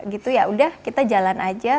gitu yaudah kita jalan aja